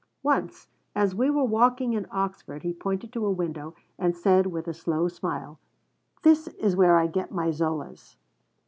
Once, as we were walking in Oxford, he pointed to a window and said, with a slow smile: 'That is where I get my Zolas.'